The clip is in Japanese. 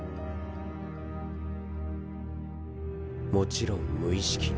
もちろん無意識に。